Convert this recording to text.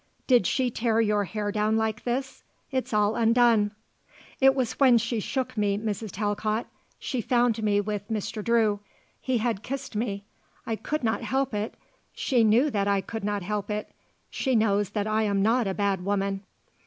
Did she tear your hair down like this? It's all undone." "It was when she shook me, Mrs. Talcott. She found me with Mr. Drew. He had kissed me. I could not help it. She knew that I could not help it. She knows that I am not a bad woman."